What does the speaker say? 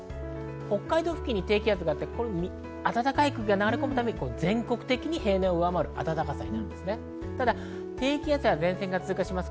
北海道付近に低気圧があって、暖かい空気が流れ込むために、全国的に平年を上回る暖かさになります。